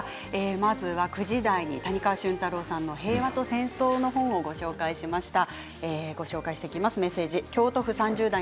まずは９時台に谷川俊太郎さんの「へいわとせんそう」の本をご紹介しました。